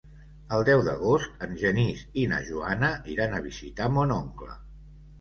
El deu d'agost en Genís i na Joana iran a visitar mon oncle.